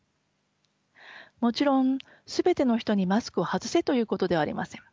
もちろん全ての人にマスクを外せということではありません。